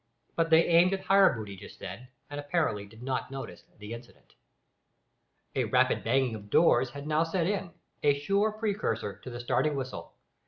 But they aimed at higher booty just then, and apparently did not notice the incident. A rapid banging of doors had now set in a sure precursor of the starting whistle.